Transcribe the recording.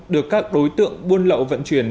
được các đối tượng buôn lậu vận chuyển